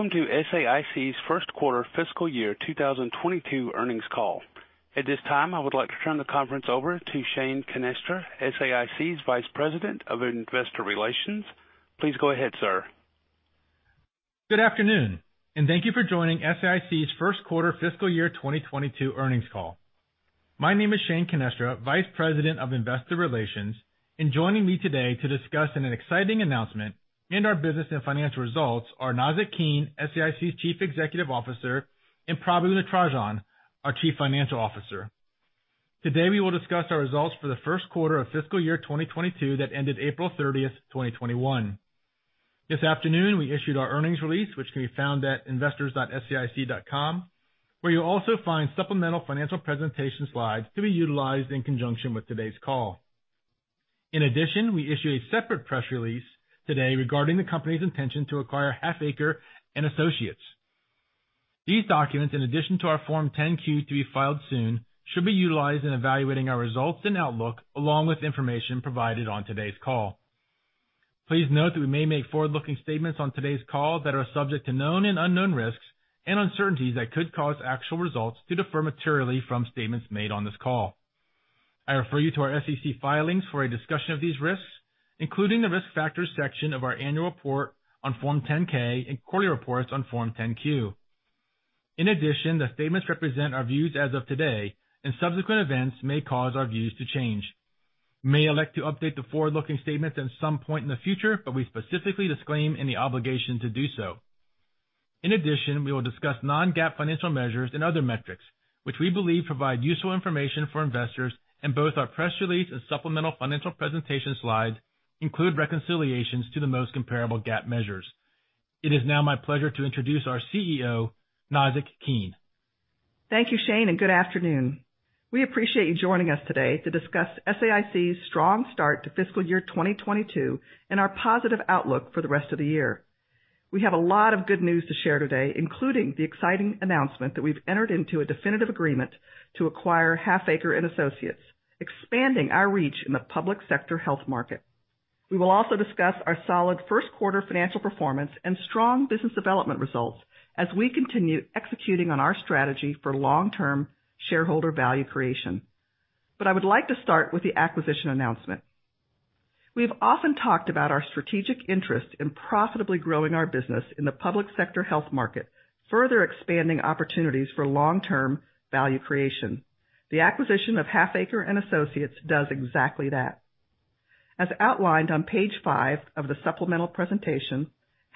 Welcome to SAIC's first quarter fiscal year 2022 earnings call. At this time, I would like to turn the conference over to Shane Canestra, SAIC's Vice President of Investor Relations. Please go ahead, sir. Good afternoon, and thank you for joining SAIC's first quarter fiscal year 2022 earnings call. My name is Shane Canestra, Vice President of Investor Relations. Joining me today to discuss an exciting announcement in our business and financial results are Nazzic Keene, SAIC's Chief Executive Officer, and Prabu Natarajan, our Chief Financial Officer. Today, we will discuss our results for the first quarter of fiscal year 2022 that ended April 30, 2021. This afternoon, we issued our earnings release, which can be found at investors.saic.com, where you'll also find supplemental financial presentation slides to be utilized in conjunction with today's call. In addition, we issue a separate press release today regarding the company's intention to acquire Halfaker and Associates. These documents, in addition to our Form 10-Q to be filed soon, should be utilized in evaluating our results and outlook, along with information provided on today's call. Please note that we may make forward-looking statements on today's call that are subject to known and unknown risks and uncertainties that could cause actual results to differ materially from statements made on this call. I refer you to our SEC filings for a discussion of these risks, including the Risk Factors section of our Annual Report on Form 10-K and quarterly reports on Form 10-Q. In addition, the statements represent our views as of today, and subsequent events may cause our views to change. We may elect to update the forward-looking statements at some point in the future, but we specifically disclaim any obligation to do so. In addition, we will discuss non-GAAP financial measures and other metrics which we believe provide useful information for investors, and both our press release and supplemental financial presentation slides include reconciliations to the most comparable GAAP measures. It is now my pleasure to introduce our CEO, Nazzic Keene. Thank you, Shane, and good afternoon. We appreciate you joining us today to discuss SAIC's strong start to fiscal year 2022 and our positive outlook for the rest of the year. We have a lot of good news to share today, including the exciting announcement that we've entered into a definitive agreement to acquire Halfaker and Associates, expanding our reach in the public sector health market. We will also discuss our solid first quarter financial performance and strong business development results as we continue executing on our strategy for long-term shareholder value creation. I would like to start with the acquisition announcement. We've often talked about our strategic interest in profitably growing our business in the public sector health market, further expanding opportunities for long-term value creation. The acquisition of Halfaker and Associates does exactly that. As outlined on page 5 of the supplemental presentation,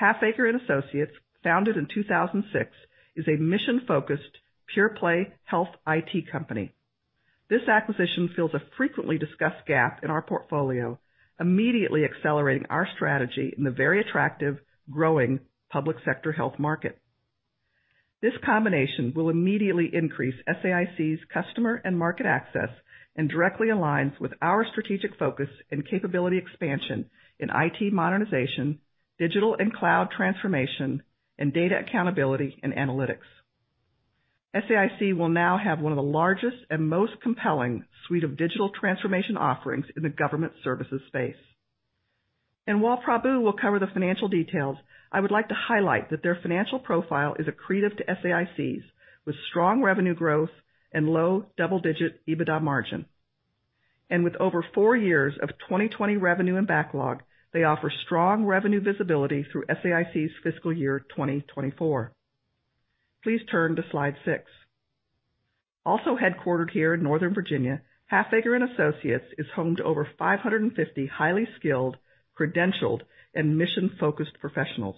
Halfaker and Associates, founded in 2006, is a mission-focused, pure play health IT company. This acquisition fills a frequently discussed gap in our portfolio, immediately accelerating our strategy in the very attractive, growing public sector health market. This combination will immediately increase SAIC's customer and market access and directly aligns with our strategic focus and capability expansion in IT modernization, digital and cloud transformation, and data accountability and analytics. SAIC will now have one of the largest and most compelling suite of digital transformation offerings in the government services space. While Prabu will cover the financial details, I would like to highlight that their financial profile is accretive to SAIC's, with strong revenue growth and low double-digit EBITDA margin. With over four years of 2020 revenue and backlog, they offer strong revenue visibility through SAIC's fiscal year 2024. Please turn to slide 6. Also headquartered here in Northern Virginia, Halfaker and Associates is home to over 550 highly skilled, credentialed, and mission-focused professionals.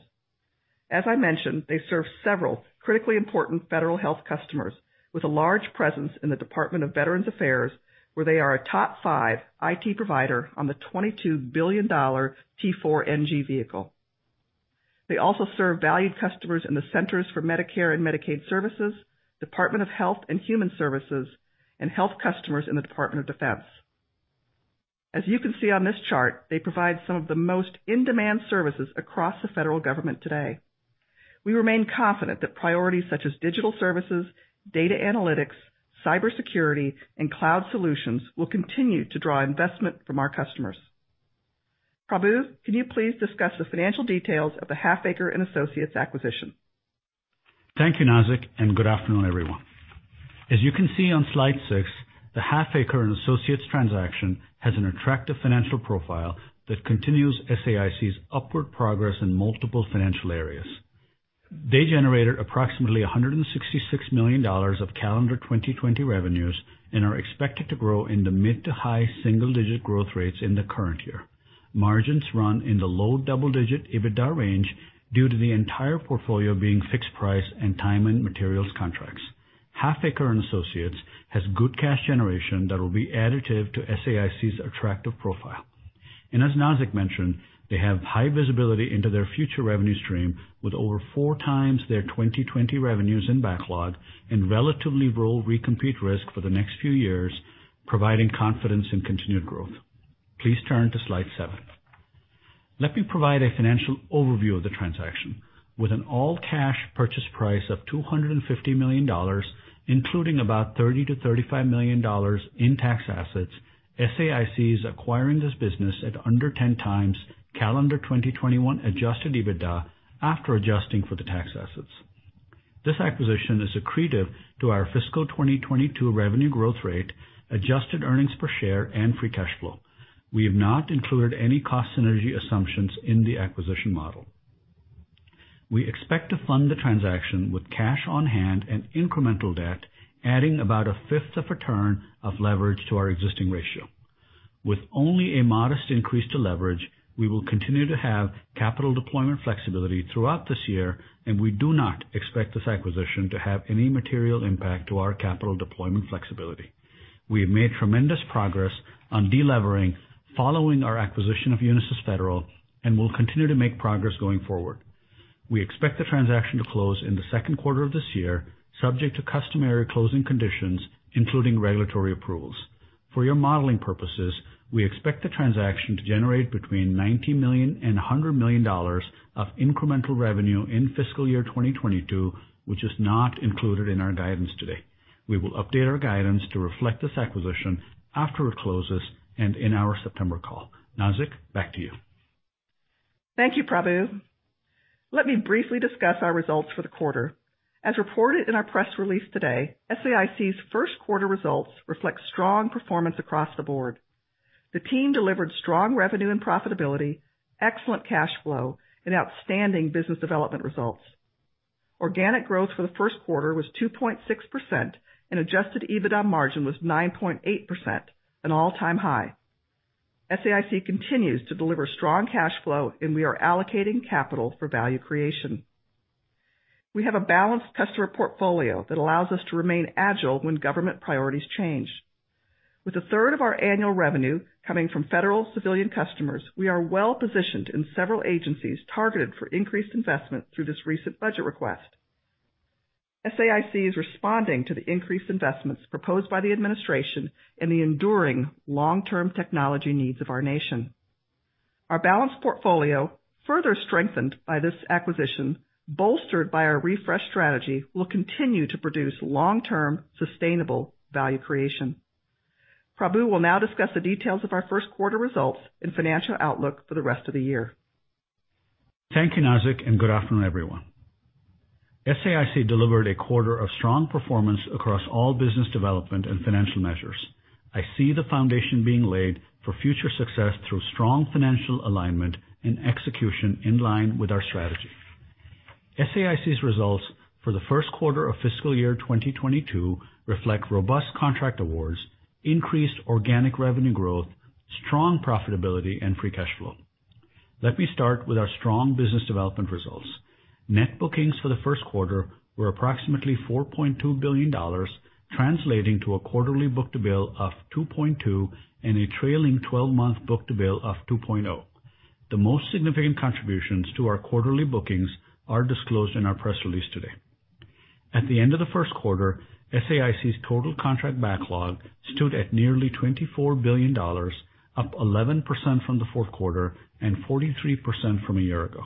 As I mentioned, they serve several critically important federal health customers with a large presence in the Department of Veterans Affairs, where they are a top 5 IT provider on the $22 billion T4NG vehicle. They also serve valued customers in the Centers for Medicare and Medicaid Services, Department of Health and Human Services, and health customers in the Department of Defense. As you can see on this chart, they provide some of the most in-demand services across the federal government today. We remain confident that priorities such as digital services, data analytics, cybersecurity, and cloud solutions will continue to draw investment from our customers. Prabu, can you please discuss the financial details of the Halfaker and Associates acquisition? Thank you, Nazzic, and good afternoon, everyone. As you can see on slide 6, the Halfaker and Associates transaction has an attractive financial profile that continues SAIC's upward progress in multiple financial areas. They generated approximately $166 million of calendar 2020 revenues and are expected to grow in the mid- to high single-digit % in the current year. Margins run in the low double-digit % EBITDA range due to the entire portfolio being fixed price and time and materials contracts. Halfaker and Associates has good cash generation that will be additive to SAIC's attractive profile. As Nazzic mentioned, they have high visibility into their future revenue stream with over four times their 2020 revenues in backlog and relatively low recompete risk for the next few years, providing confidence in continued growth. Please turn to slide 7. Let me provide a financial overview of the transaction. With an all-cash purchase price of $250 million, including about $30 million-$35 million in tax assets, SAIC is acquiring this business at under 10x calendar 2021 adjusted EBITDA after adjusting for the tax assets. This acquisition is accretive to our fiscal 2022 revenue growth rate, adjusted earnings per share, and free cash flow. We have not included any cost synergy assumptions in the acquisition model. We expect to fund the transaction with cash on hand and incremental debt, adding about a fifth of a turn of leverage to our existing ratio. With only a modest increase to leverage, we will continue to have capital deployment flexibility throughout this year, and we do not expect this acquisition to have any material impact to our capital deployment flexibility. We have made tremendous progress on delevering following our acquisition of Unisys Federal and will continue to make progress going forward. We expect the transaction to close in the second quarter of this year, subject to customary closing conditions, including regulatory approvals. For your modeling purposes, we expect the transaction to generate between $90 million and $100 million of incremental revenue in fiscal year 2022, which is not included in our guidance today. We will update our guidance to reflect this acquisition after it closes and in our September call. Nazzic, back to you. Thank you, Prabu. Let me briefly discuss our results for the quarter. As reported in our press release today, SAIC's first quarter results reflect strong performance across the board. The team delivered strong revenue and profitability, excellent cash flow, and outstanding business development results. Organic growth for the first quarter was 2.6% and adjusted EBITDA margin was 9.8%, an all-time high. SAIC continues to deliver strong cash flow, and we are allocating capital for value creation. We have a balanced customer portfolio that allows us to remain agile when government priorities change. With a third of our annual revenue coming from federal civilian customers, we are well-positioned in several agencies targeted for increased investment through this recent budget request. SAIC is responding to the increased investments proposed by the administration and the enduring long-term technology needs of our nation. Our balanced portfolio, further strengthened by this acquisition, bolstered by our refreshed strategy, will continue to produce long-term, sustainable value creation. Prabu will now discuss the details of our first quarter results and financial outlook for the rest of the year. Thank you, Nazzic, and good afternoon, everyone. SAIC delivered a quarter of strong performance across all business development and financial measures. I see the foundation being laid for future success through strong financial alignment and execution in line with our strategy. SAIC's results for the first quarter of fiscal year 2022 reflect robust contract awards, increased organic revenue growth, strong profitability, and free cash flow. Let me start with our strong business development results. Net bookings for the first quarter were approximately $4.2 billion, translating to a quarterly book-to-bill of 2.2 and a trailing-twelve-month book-to-bill of 2.0. The most significant contributions to our quarterly bookings are disclosed in our press release today. At the end of the first quarter, SAIC's total contract backlog stood at nearly $24 billion, up 11% from the fourth quarter and 43% from a year ago.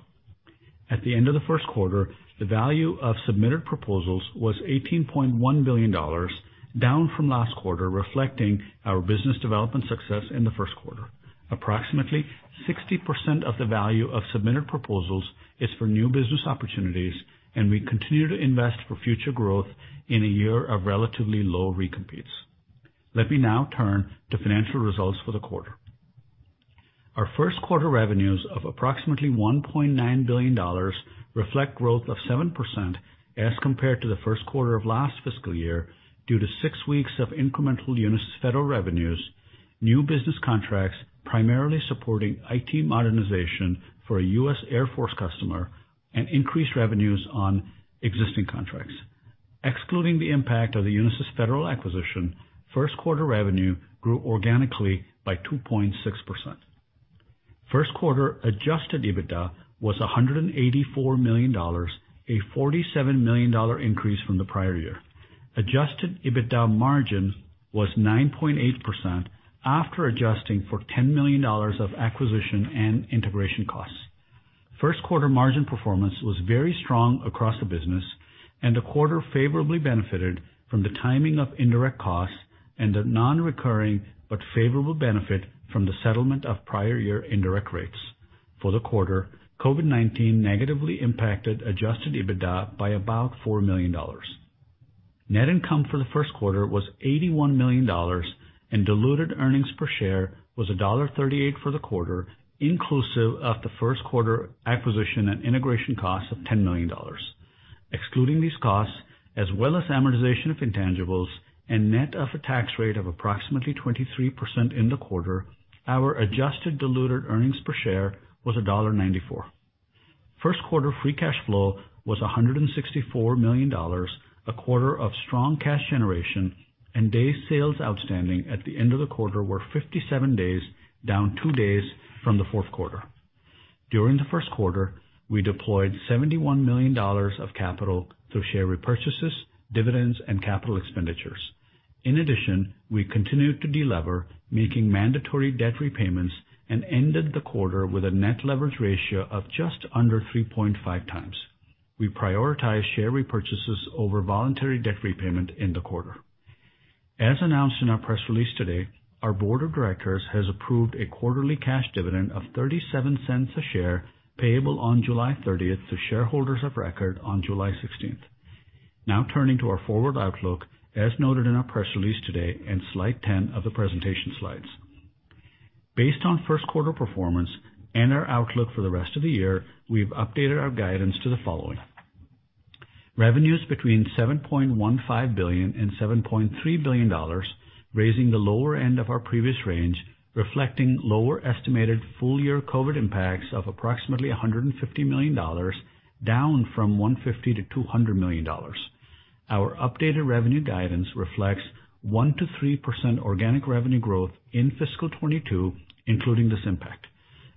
At the end of the first quarter, the value of submitted proposals was $18.1 billion, down from last quarter, reflecting our business development success in the first quarter. Approximately 60% of the value of submitted proposals is for new business opportunities, and we continue to invest for future growth in a year of relatively low recompetes. Let me now turn to financial results for the quarter. Our first quarter revenues of approximately $1.9 billion reflect growth of 7% as compared to the first quarter of last fiscal year due to 6 weeks of incremental Unisys Federal revenues, new business contracts, primarily supporting IT modernization for a U.S. Air Force customer, and increased revenues on existing contracts. Excluding the impact of the Unisys Federal acquisition, first quarter revenue grew organically by 2.6%. First quarter adjusted EBITDA was $184 million, a $47 million increase from the prior year. Adjusted EBITDA margin was 9.8% after adjusting for $10 million of acquisition and integration costs. First quarter margin performance was very strong across the business, and the quarter favorably benefited from the timing of indirect costs and a non-recurring but favorable benefit from the settlement of prior year indirect rates. For the quarter, COVID-19 negatively impacted adjusted EBITDA by about $4 million. Net income for the first quarter was $81 million, and diluted earnings per share was $1.38 for the quarter, inclusive of the first quarter acquisition and integration cost of $10 million. Excluding these costs, as well as amortization of intangibles and net of a tax rate of approximately 23% in the quarter, our adjusted diluted earnings per share was $1.94. First quarter free cash flow was $164 million, a quarter of strong cash generation and days sales outstanding at the end of the quarter were 57 days, down 2 days from the fourth quarter. During the first quarter, we deployed $71 million of capital through share repurchases, dividends, and capital expenditures. In addition, we continued to delever, making mandatory debt repayments and ended the quarter with a net leverage ratio of just under 3.5 times. We prioritize share repurchases over voluntary debt repayment in the quarter. As announced in our press release today, our board of directors has approved a quarterly cash dividend of $0.37 a share payable on July 30 to shareholders of record on July 16. Now turning to our forward outlook, as noted in our press release today in slide 10 of the presentation slides. Based on first quarter performance and our outlook for the rest of the year, we've updated our guidance to the following. Revenues between $7.15 billion-$7.3 billion, raising the lower end of our previous range, reflecting lower estimated full-year COVID impacts of approximately $150 million, down from $150 million-$200 million. Our updated revenue guidance reflects 1%-3% organic revenue growth in fiscal 2022, including this impact.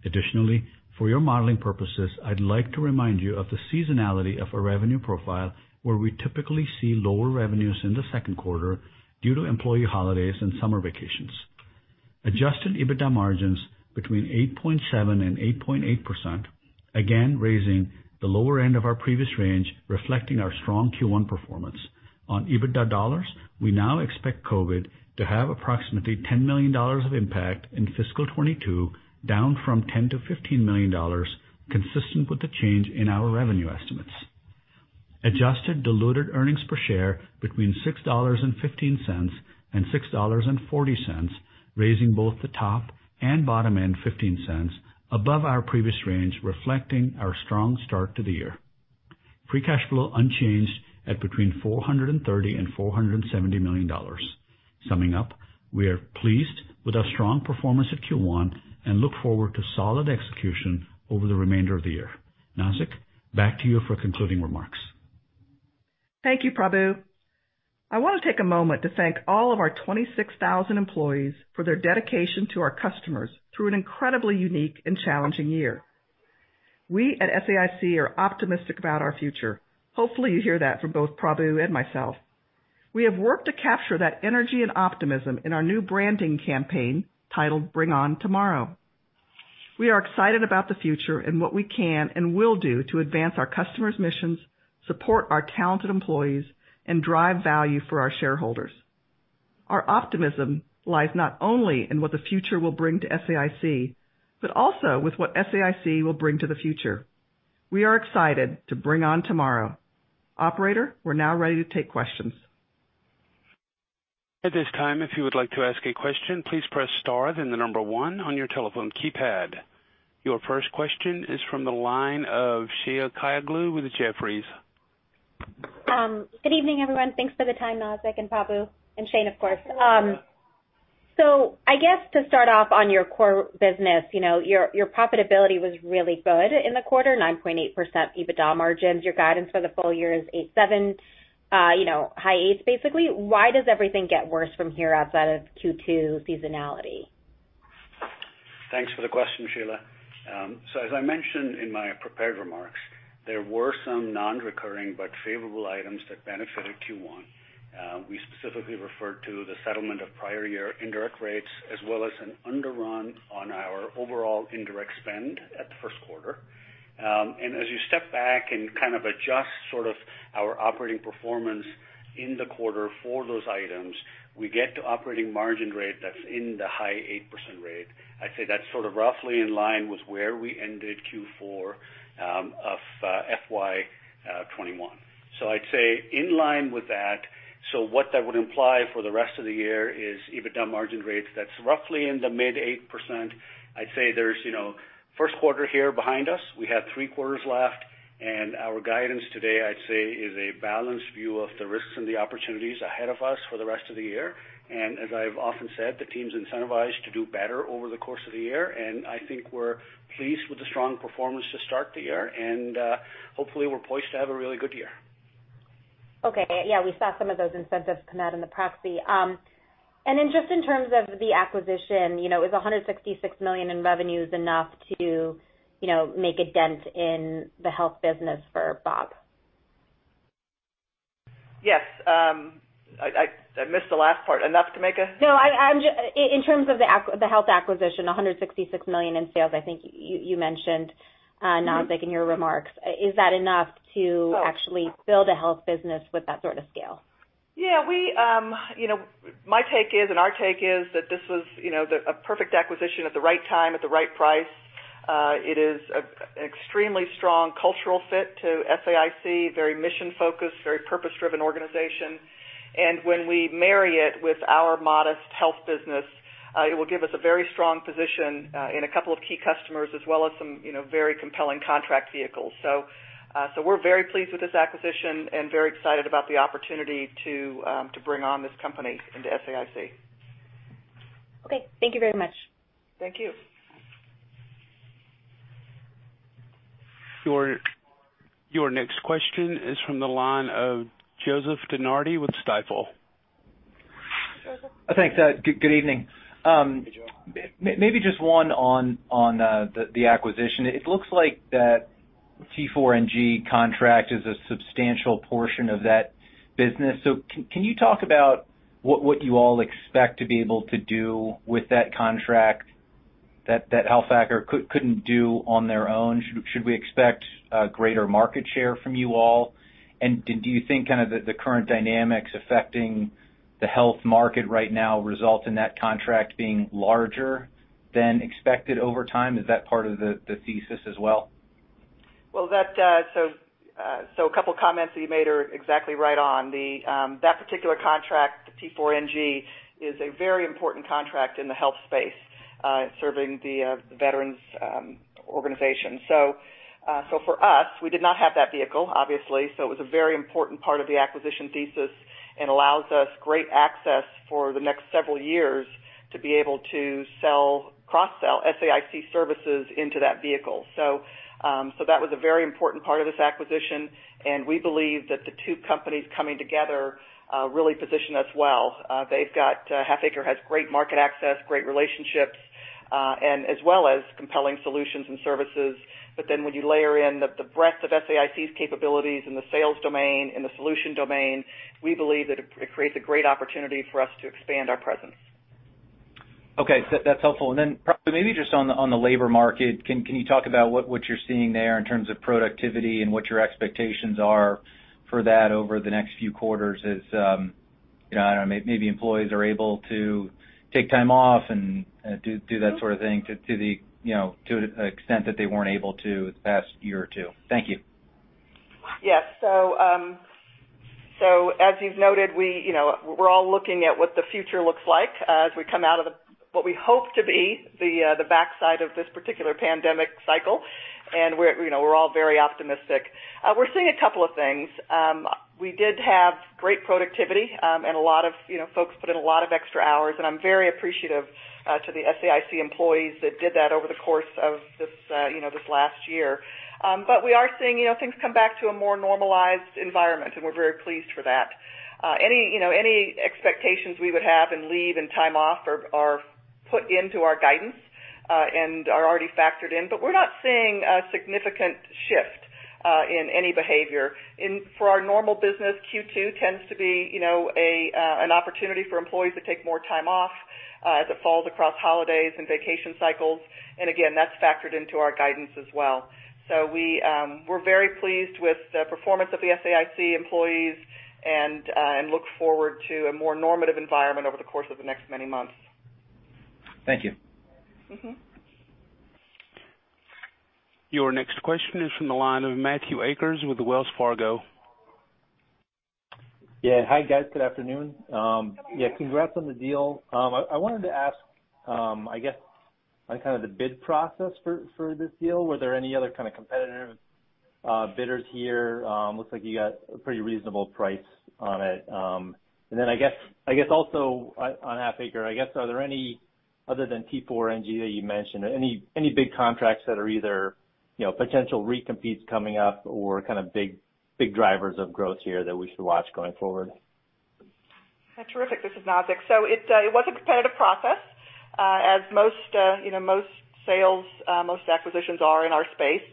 Additionally, for your modeling purposes, I'd like to remind you of the seasonality of our revenue profile, where we typically see lower revenues in the second quarter due to employee holidays and summer vacations. Adjusted EBITDA margins between 8.7%-8.8%, again, raising the lower end of our previous range, reflecting our strong Q1 performance. On EBITDA dollars, we now expect COVID-19 to have approximately $10 million of impact in fiscal 2022, down from $10 million-$15 million, consistent with the change in our revenue estimates. Adjusted diluted earnings per share between $6.15 and $6.40, raising both the top and bottom end 15 cents above our previous range, reflecting our strong start to the year. Free cash flow unchanged at between $430 million and $470 million. Summing up, we are pleased with our strong performance at Q1 and look forward to solid execution over the remainder of the year. Nazzic, back to you for concluding remarks. Thank you, Prabu. I wanna take a moment to thank all of our 26,000 employees for their dedication to our customers through an incredibly unique and challenging year. We at SAIC are optimistic about our future. Hopefully, you hear that from both Prabu and myself. We have worked to capture that energy and optimism in our new branding campaign titled Bring On Tomorrow. We are excited about the future and what we can and will do to advance our customers' missions, support our talented employees, and drive value for our shareholders. Our optimism lies not only in what the future will bring to SAIC, but also with what SAIC will bring to the future. We are excited to bring on tomorrow. Operator, we're now ready to take questions. Your first question is from the line of Sheila Kahyaoglu with Jefferies. Good evening, everyone. Thanks for the time, Nazzic and Prabu, and Shane, of course. I guess to start off on your core business, you know, your profitability was really good in the quarter, 9.8% EBITDA margins. Your guidance for the full year is 8.7, you know, high eights, basically. Why does everything get worse from here outside of Q2 seasonality? Thanks for the question, Sheila. As I mentioned in my prepared remarks, there were some non-recurring but favorable items that benefited Q1. We specifically referred to the settlement of prior year indirect rates, as well as an underrun on our overall indirect spend at the first quarter. As you step back and kind of adjust sort of our operating performance in the quarter for those items, we get to operating margin rate that's in the high 8% rate. I'd say that's sort of roughly in line with where we ended Q4 of FY 2021. I'd say in line with that, what that would imply for the rest of the year is EBITDA margin rates that's roughly in the mid 8%. I'd say there's, you know, first quarter behind us. We have three quarters left, and our guidance today, I'd say, is a balanced view of the risks and the opportunities ahead of us for the rest of the year. As I've often said, the team's incentivized to do better over the course of the year, and I think we're pleased with the strong performance to start the year. Hopefully, we're poised to have a really good year. Okay. Yeah, we saw some of those incentives come out in the proxy. Then just in terms of the acquisition, you know, is $166 million in revenues enough to, you know, make a dent in the health business for Bob? Yes. I missed the last part. Enough to make a- No. In terms of the health acquisition, $166 million in sales, I think you mentioned, Nazzic, in your remarks. Is that enough to actually build a health business with that sort of scale? Yeah. We, you know, my take is and our take is that this was, you know, a perfect acquisition at the right time, at the right price. It is an extremely strong cultural fit to SAIC, very mission-focused, very purpose-driven organization. When we marry it with our modest health business, it will give us a very strong position in a couple of key customers as well as some, you know, very compelling contract vehicles. We're very pleased with this acquisition and very excited about the opportunity to bring on this company into SAIC. Okay. Thank you very much. Thank you. Your next question is from the line of Joseph DeNardi with Stifel. Joseph. Thanks. Good evening. Maybe just one on the acquisition. It looks like that T4NG contract is a substantial portion of that business. Can you talk about what you all expect to be able to do with that contract? That Halfaker couldn't do on their own. Should we expect greater market share from you all? Do you think kind of the current dynamics affecting the health market right now result in that contract being larger than expected over time? Is that part of the thesis as well? A couple comments that you made are exactly right on. That particular contract, the T4NG, is a very important contract in the health space, serving the veterans organization. For us, we did not have that vehicle, obviously, so it was a very important part of the acquisition thesis and allows us great access for the next several years to be able to sell, cross-sell SAIC services into that vehicle. That was a very important part of this acquisition, and we believe that the two companies coming together really position us well. They've got, Halfaker has great market access, great relationships, and as well as compelling solutions and services. When you layer in the breadth of SAIC's capabilities in the sales domain, in the solution domain, we believe that it creates a great opportunity for us to expand our presence. Okay. That's helpful. Then probably maybe just on the labor market, can you talk about what you're seeing there in terms of productivity and what your expectations are for that over the next few quarters as you know, I don't know, maybe employees are able to take time off and do that sort of thing to the you know to an extent that they weren't able to the past year or two. Thank you. Yes. As you've noted, we, you know, we're all looking at what the future looks like, as we come out of the, what we hope to be the backside of this particular pandemic cycle. We're, you know, we're all very optimistic. We're seeing a couple of things. We did have great productivity, and a lot of, you know, folks put in a lot of extra hours, and I'm very appreciative to the SAIC employees that did that over the course of this, you know, this last year. We are seeing, you know, things come back to a more normalized environment, and we're very pleased for that. Any, you know, expectations we would have in leave and time off are put into our guidance, and are already factored in. We're not seeing a significant shift in any behavior. In for our normal business, Q2 tends to be an opportunity for employees to take more time off as it falls across holidays and vacation cycles. Again, that's factored into our guidance as well. We're very pleased with the performance of the SAIC employees and look forward to a more normative environment over the course of the next many months. Thank you. Mm-hmm. Your next question is from the line of Matthew Akers with Wells Fargo. Yeah. Hi, guys. Good afternoon. Yeah, congrats on the deal. I wanted to ask, I guess, on kind of the bid process for this deal. Were there any other kind of competitor bidders here? Looks like you got a pretty reasonable price on it. And then I guess also on Halfaker, I guess, are there any, other than T4NG that you mentioned, any big contracts that are either, you know, potential recompetes coming up or kind of big drivers of growth here that we should watch going forward? Terrific. This is Nazzic. It was a competitive process, as most you know most acquisitions are in our space.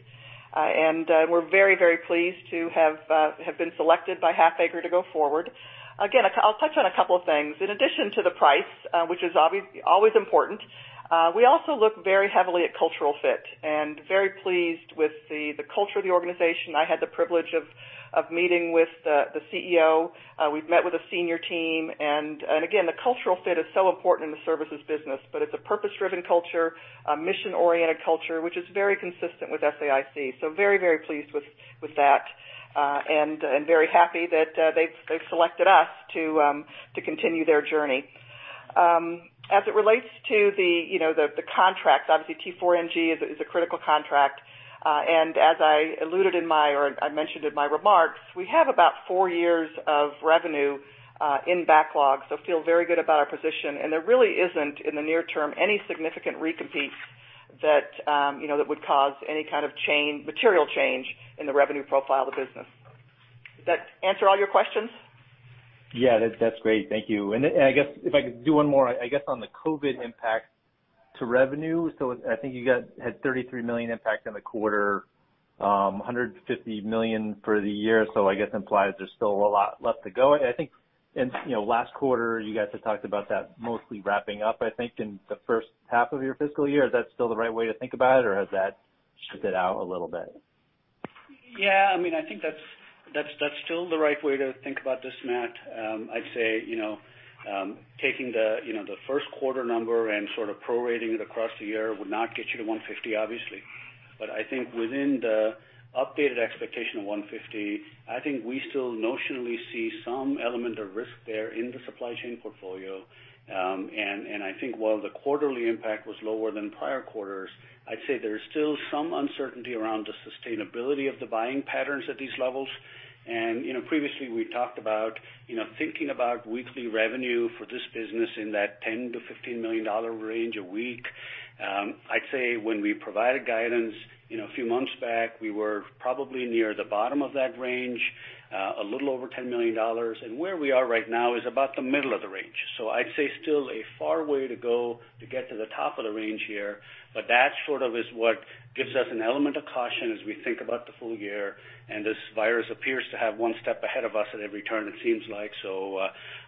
We're very pleased to have been selected by Halfaker to go forward. Again, I'll touch on a couple of things. In addition to the price, which is always important, we also look very heavily at cultural fit and very pleased with the culture of the organization. I had the privilege of meeting with the CEO. We've met with the senior team. Again, the cultural fit is so important in the services business, but it's a purpose-driven culture, a mission-oriented culture, which is very consistent with SAIC. Very, very pleased with that and very happy that they've selected us to continue their journey. As it relates to the you know the contract, obviously T4NG is a critical contract. And as I mentioned in my remarks, we have about four years of revenue in backlog, so feel very good about our position. There really isn't, in the near term, any significant recompete that you know that would cause any kind of change, material change in the revenue profile of the business. Does that answer all your questions? Yeah. That's great. Thank you. I guess if I could do one more, I guess, on the COVID impact to revenue. I think you guys had $33 million impact on the quarter, hundred and fifty million for the year. I guess implies there's still a lot left to go. I think in, you know, last quarter, you guys had talked about that mostly wrapping up, I think, in the first half of your fiscal year. Is that still the right way to think about it, or has that shifted out a little bit? Yeah. I mean, I think that's still the right way to think about this, Matt. I'd say, you know, taking the first quarter number and sort of prorating it across the year would not get you to 150, obviously. I think within the updated expectation of 150, I think we still notionally see some element of risk there in the supply chain portfolio. I think while the quarterly impact was lower than prior quarters, I'd say there is still some uncertainty around the sustainability of the buying patterns at these levels. Previously we talked about, you know, thinking about weekly revenue for this business in that $10 million-$15 million range a week. I'd say when we provided guidance, you know, a few months back, we were probably near the bottom of that range, a little over $10 million. Where we are right now is about the middle of the range. I'd say still a long way to go to get to the top of the range here, but that sort of is what gives us an element of caution as we think about the full year. This virus appears to have one step ahead of us at every turn, it seems like.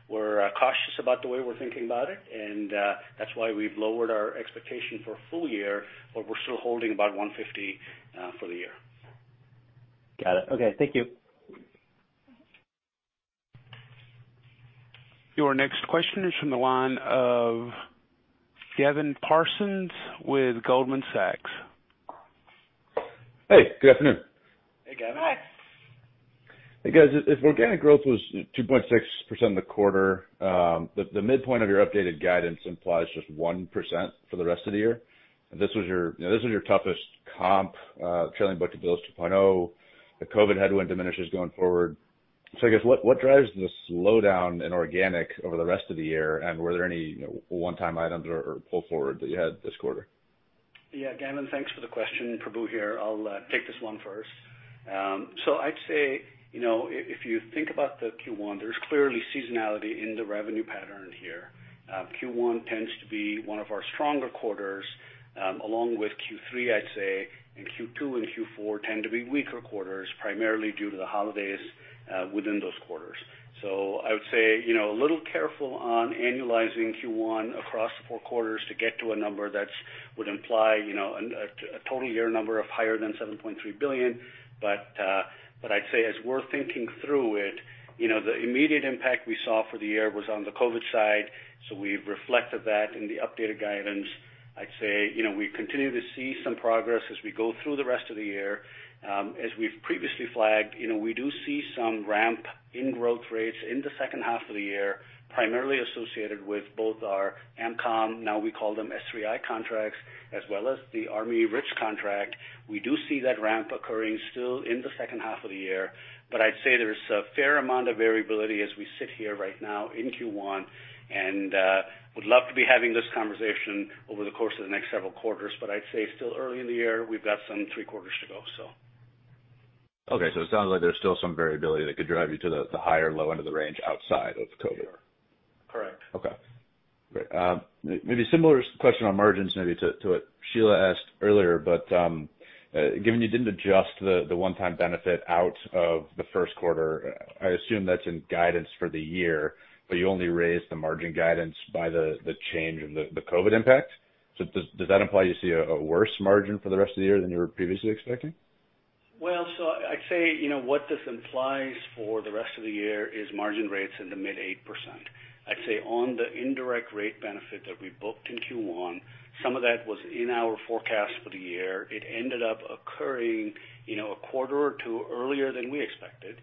We're cautious about the way we're thinking about it, and that's why we've lowered our expectation for full year, but we're still holding about $150 for the year. Got it. Okay, thank you. Your next question is from the line of Gavin Parsons with Goldman Sachs. Hey, good afternoon. Hey, Gavin. Hi. Hey, guys. If organic growth was 2.6% in the quarter, the midpoint of your updated guidance implies just 1% for the rest of the year. This was your, you know, this was your toughest comp, trailing book-to-bill is 2.0. The COVID headwind diminishes going forward. I guess, what drives the slowdown in organic over the rest of the year, and were there any, you know, one-time items or pull forward that you had this quarter? Yeah, Gavin, thanks for the question. Prabu here. I'll take this one first. I'd say, you know, if you think about the Q1, there's clearly seasonality in the revenue pattern here. Q1 tends to be one of our stronger quarters, along with Q3, I'd say, and Q2 and Q4 tend to be weaker quarters, primarily due to the holidays within those quarters. I would say, you know, a little careful on annualizing Q1 across the four quarters to get to a number that would imply, you know, a total year number higher than $7.3 billion. But I'd say as we're thinking through it, you know, the immediate impact we saw for the year was on the COVID side. We've reflected that in the updated guidance. I'd say, you know, we continue to see some progress as we go through the rest of the year. As we've previously flagged, you know, we do see some ramp in growth rates in the second half of the year, primarily associated with both our AMCOM, now we call them S3I contracts, as well as the Army RITS contract. We do see that ramp occurring still in the second half of the year. I'd say there's a fair amount of variability as we sit here right now in Q1, and would love to be having this conversation over the course of the next several quarters. I'd say still early in the year, we've got some three quarters to go, so. Okay. It sounds like there's still some variability that could drive you to the higher low end of the range outside of COVID. Correct. Okay. Great. Maybe similar question on margins maybe to what Sheila asked earlier, but given you didn't adjust the one-time benefit out of the first quarter, I assume that's in guidance for the year, but you only raised the margin guidance by the change in the COVID impact. Does that imply you see a worse margin for the rest of the year than you were previously expecting? I'd say, you know, what this implies for the rest of the year is margin rates in the mid-8%. I'd say on the indirect rate benefit that we booked in Q1, some of that was in our forecast for the year. It ended up occurring, you know, a quarter or two earlier than we expected.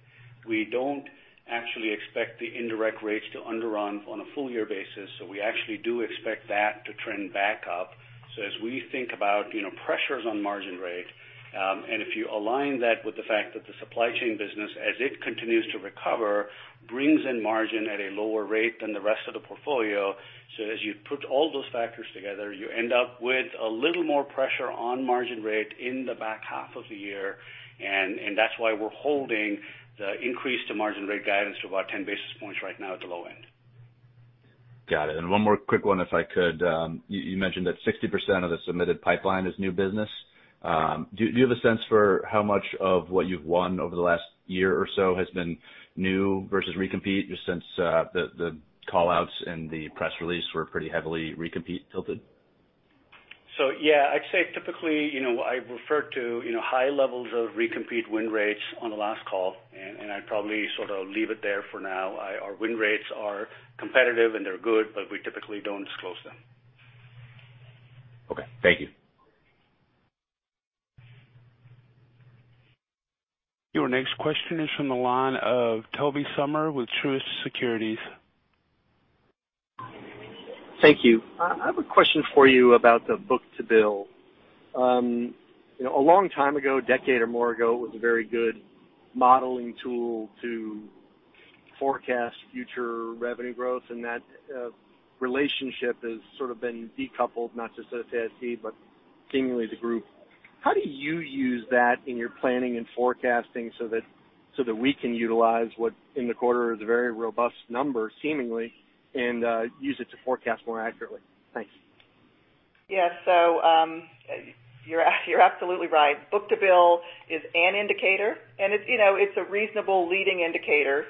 We don't actually expect the indirect rates to underrun on a full year basis, so we actually do expect that to trend back up. As we think about, you know, pressures on margin rate, and if you align that with the fact that the supply chain business as it continues to recover, brings in margin at a lower rate than the rest of the portfolio. As you put all those factors together, you end up with a little more pressure on margin rate in the back half of the year, and that's why we're holding the increase to margin rate guidance to about 10 basis points right now at the low end. Got it. One more quick one if I could. You mentioned that 60% of the submitted pipeline is new business. Do you have a sense for how much of what you've won over the last year or so has been new versus recompete just since the call-outs and the press release were pretty heavily recompete tilted? Yeah, I'd say typically, you know, I refer to, you know, high levels of recompete win rates on the last call, and I'd probably sort of leave it there for now. Our win rates are competitive and they're good, but we typically don't disclose them. Okay. Thank you. Your next question is from the line of Tobey Sommer with Truist Securities. Thank you. I have a question for you about the book-to-bill. You know, a long time ago, decade or more ago, it was a very good modeling tool to forecast future revenue growth, and that relationship has sort of been decoupled, not just at SAIC, but seemingly the group. How do you use that in your planning and forecasting so that we can utilize what in the quarter is a very robust number seemingly, and use it to forecast more accurately? Thanks. Yeah. You're absolutely right. Book-to-bill is an indicator, and it's, you know, it's a reasonable leading indicator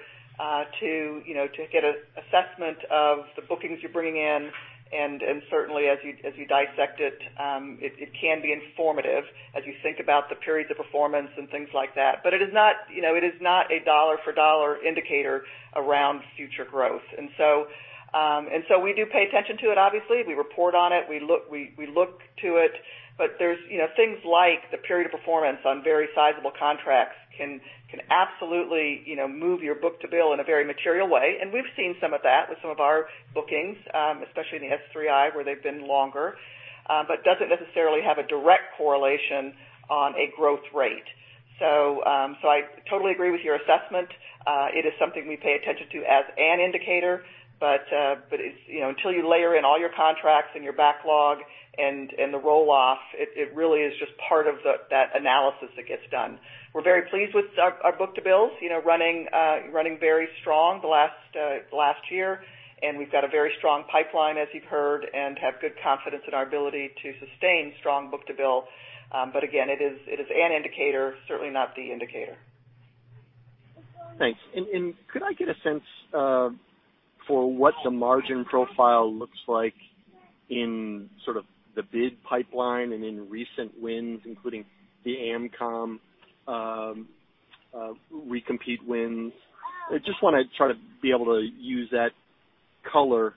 to, you know, to get an assessment of the bookings you're bringing in, and certainly as you dissect it can be informative as you think about the periods of performance and things like that. It is not, you know, it is not a dollar-for-dollar indicator around future growth. We do pay attention to it obviously. We report on it. We look to it. There's, you know, things like the period of performance on very sizable contracts can absolutely, you know, move your book-to-bill in a very material way. We've seen some of that with some of our bookings, especially in the S3I where they've been longer, but doesn't necessarily have a direct correlation on a growth rate. So I totally agree with your assessment. It is something we pay attention to as an indicator, but it's, you know, until you layer in all your contracts and your backlog and the roll off, it really is just part of that analysis that gets done. We're very pleased with our book-to-bill, you know, running very strong the last year, and we've got a very strong pipeline as you've heard, and have good confidence in our ability to sustain strong book-to-bill. But again, it is an indicator, certainly not the indicator. Thanks. Could I get a sense for what the margin profile looks like in sort of the bid pipeline and in recent wins, including the AMCOM recompete wins? I just wanna try to be able to use that color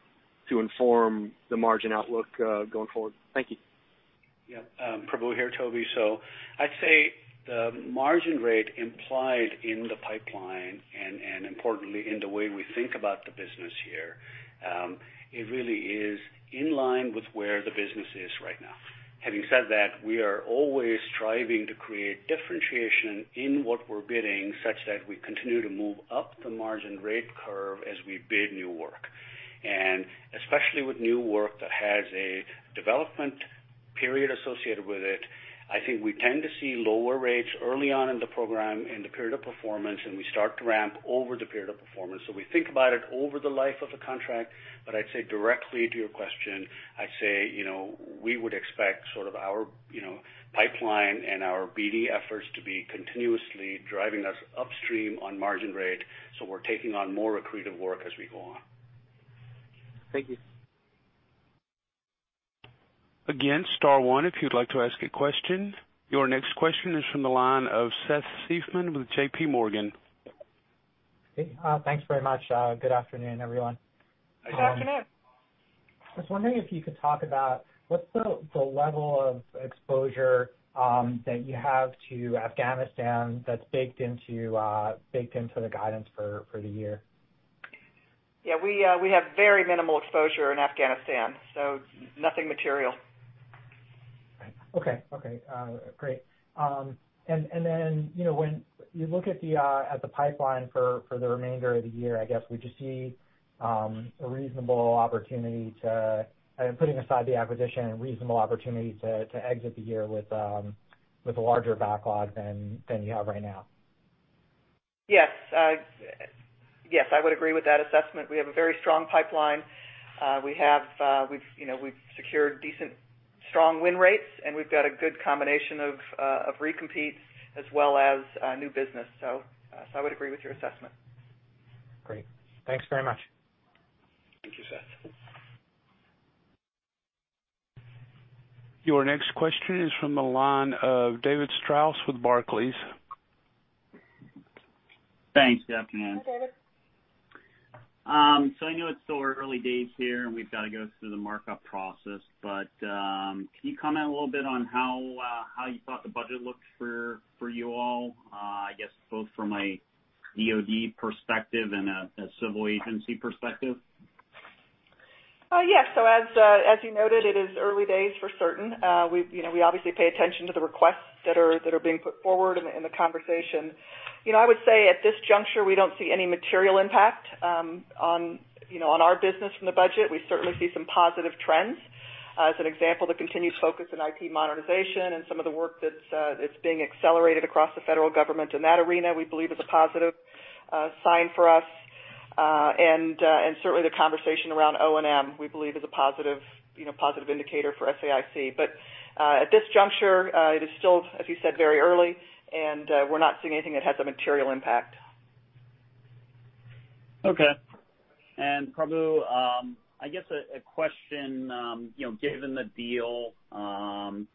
to inform the margin outlook, going forward. Thank you. Yeah. Prabu here, Tobey. I'd say the margin rate implied in the pipeline and importantly in the way we think about the business here, it really is in line with where the business is right now. Having said that, we are always striving to create differentiation in what we're bidding such that we continue to move up the margin rate curve as we bid new work. Especially with new work that has a development period associated with it, I think we tend to see lower rates early on in the program, in the period of performance, and we start to ramp over the period of performance. We think about it over the life of the contract, but I'd say directly to your question, I'd say, you know, we would expect sort of our, you know, pipeline and our BD efforts to be continuously driving us upstream on margin rate, so we're taking on more accretive work as we go on. Thank you. Your next question is from the line of Seth Seifman with J.P. Morgan. Hey. Thanks very much. Good afternoon, everyone. Good afternoon. Just wondering if you could talk about what's the level of exposure that you have to Afghanistan that's baked into the guidance for the year? Yeah, we have very minimal exposure in Afghanistan, so nothing material. Okay. Great. You know, when you look at the pipeline for the remainder of the year, I guess would you see a reasonable opportunity to, and putting aside the acquisition, exit the year with a larger backlog than you have right now? Yes. Yes, I would agree with that assessment. We have a very strong pipeline. We've, you know, secured decent, strong win rates, and we've got a good combination of recompetes as well as new business. I would agree with your assessment. Great. Thanks very much. Thank you, Seth. Your next question is from the line of David Strauss with Barclays. Thanks. Good afternoon. Hi, David. I know it's still early days here, and we've gotta go through the markup process, but can you comment a little bit on how you thought the budget looks for you all, I guess both from a DoD perspective and a civil agency perspective? Yes. As you noted, it is early days for certain. We've, you know, we obviously pay attention to the requests that are being put forward in the conversation. You know, I would say at this juncture, we don't see any material impact on, you know, on our business from the budget. We certainly see some positive trends. As an example, the continued focus in IT modernization and some of the work that's being accelerated across the federal government in that arena, we believe is a positive sign for us. And certainly the conversation around O&M, we believe is a positive indicator for SAIC. But at this juncture, it is still, as you said, very early, and we're not seeing anything that has a material impact. Okay. Prabu, I guess a question, you know, given the deal,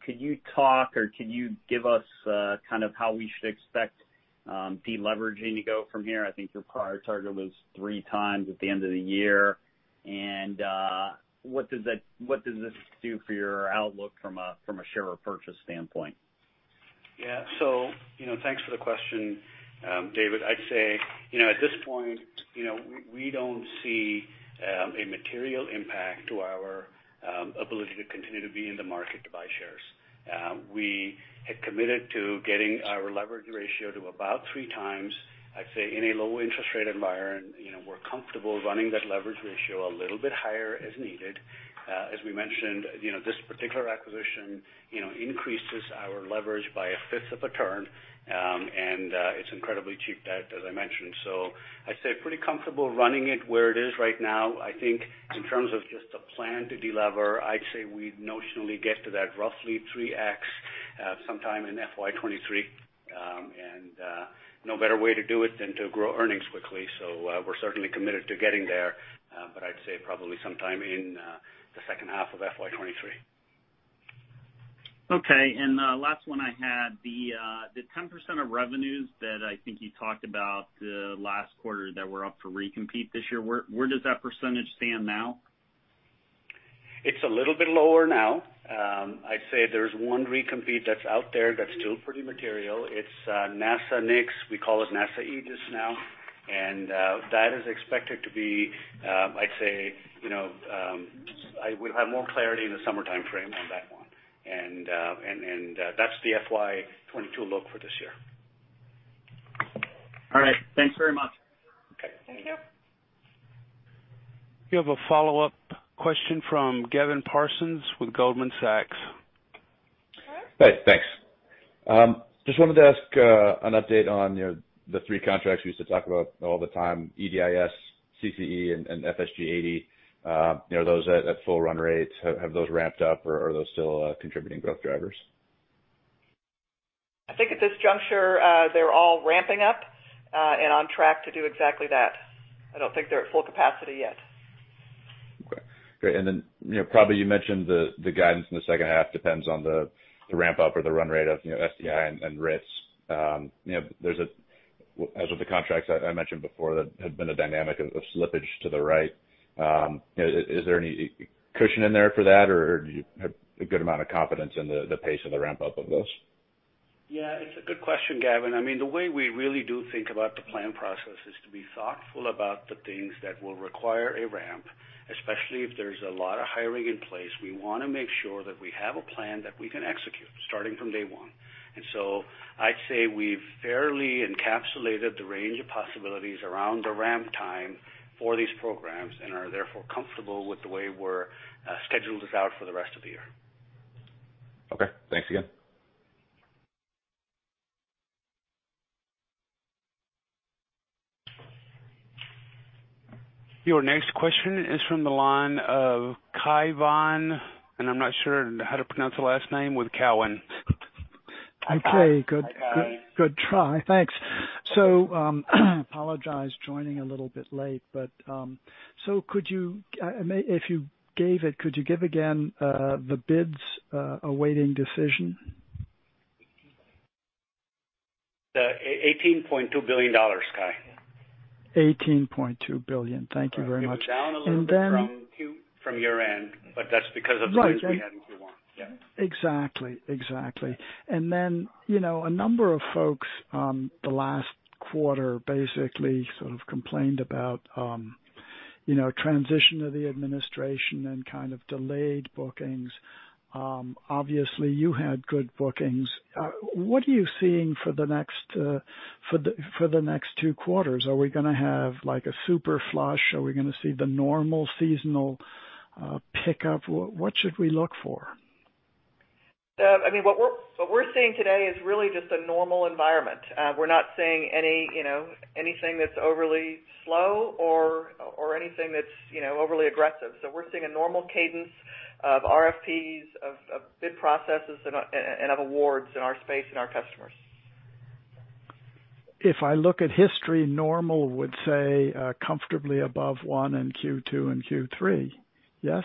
could you talk or can you give us, kind of how we should expect, deleveraging to go from here? I think your prior target was 3x at the end of the year. What does this do for your outlook from a share repurchase standpoint? Yeah. You know, thanks for the question, David. I'd say, you know, at this point, you know, we don't see a material impact to our ability to continue to be in the market to buy shares. We had committed to getting our leverage ratio to about three times. I'd say in a low interest rate environment, you know, we're comfortable running that leverage ratio a little bit higher as needed. As we mentioned, you know, this particular acquisition, you know, increases our leverage by a fifth of a turn, and it's incredibly cheap debt, as I mentioned. I'd say pretty comfortable running it where it is right now. I think in terms of just a plan to delever, I'd say we'd notionally get to that roughly 3x, sometime in FY 2023. No better way to do it than to grow earnings quickly. We're certainly committed to getting there, but I'd say probably sometime in the second half of FY 2023. Okay. Last one I had, the 10% of revenues that I think you talked about last quarter that were up for recompete this year, where does that percentage stand now? It's a little bit lower now. I'd say there's one recompete that's out there that's still pretty material. It's NASA NICS. We call it NASA AEGIS now. That's the FY 2022 book-to-bill for this year. All right. Thanks very much. Okay. Thank you. You have a follow-up question from Gavin Parsons with Goldman Sachs. Okay. Hey, thanks. Just wanted to ask an update on, you know, the three contracts you used to talk about all the time, EDIS, CCE, and FSG 80. You know, are those at full run rates? Have those ramped up or are those still contributing growth drivers? I think at this juncture, they're all ramping up, and on track to do exactly that. I don't think they're at full capacity yet. Okay. Great. You know, probably you mentioned the guidance in the second half depends on the ramp up or the run rate of, you know, S3I and risks. As with the contracts I mentioned before, that had been a dynamic of slippage to the right. Is there any cushion in there for that? Or do you have a good amount of confidence in the pace of the ramp up of this? Yeah, it's a good question, Gavin. I mean, the way we really do think about the plan process is to be thoughtful about the things that will require a ramp, especially if there's a lot of hiring in place. We wanna make sure that we have a plan that we can execute starting from day one. I'd say we've fairly encapsulated the range of possibilities around the ramp time for these programs and are therefore comfortable with the way we're scheduled this out for the rest of the year. Okay, thanks again. Your next question is from the line of Cai von Rumohr, and I'm not sure how to pronounce the last name, with Cowen. Okay. Good try. Thanks. I apologize for joining a little bit late, but could you, I mean, if you gave it, could you give again the bids awaiting decision? The $18.2 billion, Cai. $18.2 billion. Thank you very much. It was down a little bit from year-end, but that's because of the bids we had in Q1. Exactly. You know, a number of folks, the last quarter, basically sort of complained about, you know, transition of the administration and kind of delayed bookings. Obviously, you had good bookings. What are you seeing for the next two quarters? Are we gonna have, like, a super flush? Are we gonna see the normal seasonal pickup? What should we look for? I mean, what we're seeing today is really just a normal environment. We're not seeing any, you know, anything that's overly slow or anything that's, you know, overly aggressive. We're seeing a normal cadence of RFPs, of bid processes, and of awards in our space and our customers. If I look at history, normal would say, comfortably above one in Q2 and Q3, yes?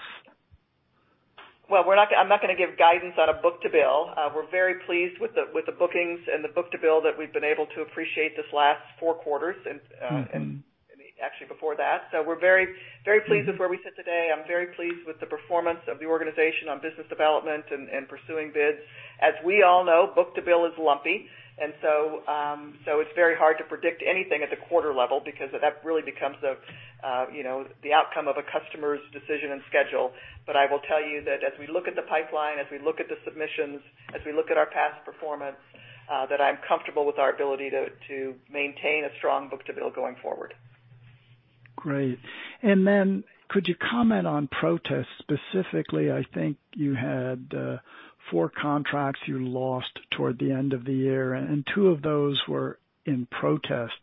Well, I'm not gonna give guidance on a book-to-bill. We're very pleased with the bookings and the book-to-bill that we've been able to achieve this last four quarters. Mm-hmm. We're very, very pleased with where we sit today. I'm very pleased with the performance of the organization on business development and pursuing bids. As we all know, book-to-bill is lumpy, and it's very hard to predict anything at the quarter level because that really becomes the outcome of a customer's decision and schedule. I will tell you that as we look at the pipeline, as we look at the submissions, as we look at our past performance, that I'm comfortable with our ability to maintain a strong book-to-bill going forward. Great. Then could you comment on protests? Specifically, I think you had four contracts you lost toward the end of the year, and two of those were in protest.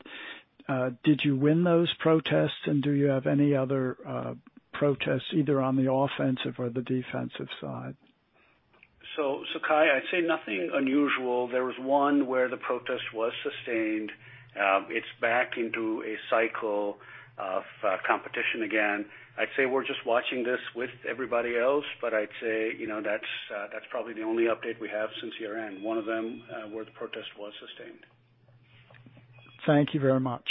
Did you win those protests, and do you have any other protests either on the offensive or the defensive side? Kai, I'd say nothing unusual. There was one where the protest was sustained. It's back into a cycle of competition again. I'd say we're just watching this with everybody else, but I'd say, you know, that's probably the only update we have since year-end. One of them where the protest was sustained. Thank you very much.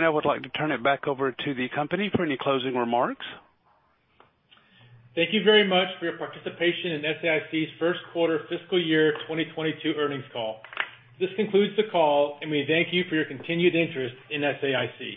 I would like to turn it back over to the company for any closing remarks. Thank you very much for your participation in SAIC's first quarter fiscal year 2022 earnings call. This concludes the call, and we thank you for your continued interest in SAIC.